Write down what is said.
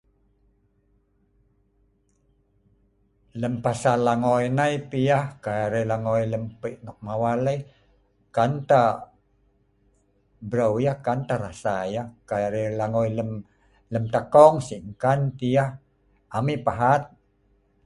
Lem pasal langoi nai tah yeh, kai arai langoi lem pei nok mawal i , kan tah brau yh, kan tah rasa yh kai arai langoi lem takong sik engkan tah yeh am yeh pahat,